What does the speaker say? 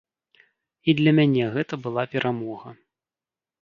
І для мяне гэта была перамога.